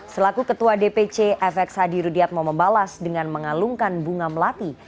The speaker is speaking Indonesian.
selaku ketua dpc fx hadi rudiatmo membalas dengan mengalungkan bunga melati